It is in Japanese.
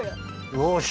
よし！